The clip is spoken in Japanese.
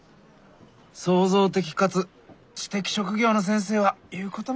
創造的かつ知的職業の先生は言うことも違うねえ。